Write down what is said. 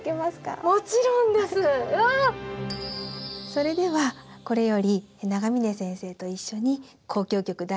それではこれより永峰先生と一緒に「交響曲第５番」